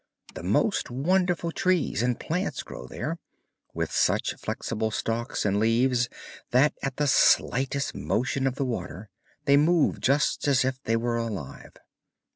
the most wonderful trees and plants grow there, with such flexible stalks and leaves, that at the slightest motion of the water they move just as if they were alive.